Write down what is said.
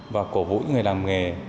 và cổ vũ người làm nghề